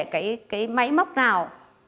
cái máy móc nào